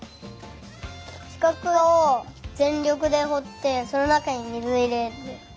しかくをぜんりょくでほってそのなかに水をいれる。